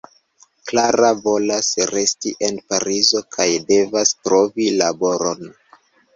Klara volas resti en Parizo kaj devas trovi laboron.